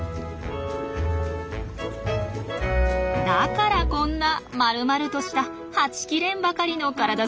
だからこんなまるまるとしたはちきれんばかりの体つきなんですね。